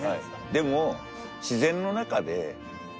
でも。